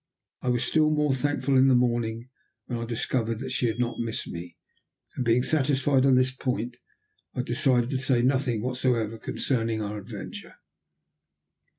I was still more thankful in the morning when I discovered she had not missed me, and being satisfied on this point, I decided to say nothing whatsoever concerning our adventure.